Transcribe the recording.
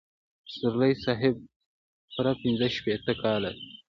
پسرلي صاحب پوره پنځه شپېته کاله.